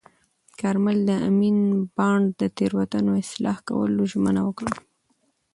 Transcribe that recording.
کارمل د امین بانډ د تېروتنو اصلاح کولو ژمنه وکړه.